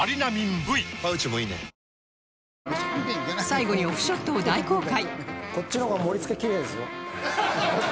最後にオフショットを大公開